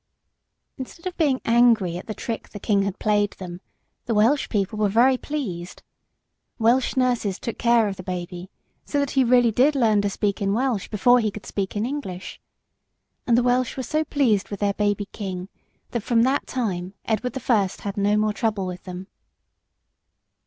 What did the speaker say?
Instead of being angry at the trick the king had played them, the Welsh people were very pleased. Welsh nurses took care of the baby, so that he really did learn to speak in Welsh before he could speak in English. And the Welsh were so pleased with their baby king that from that time Edward the First had no more trouble with them.